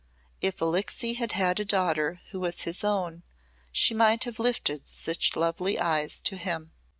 If Alixe had had a daughter who was his own, she might have lifted such lovely eyes to him.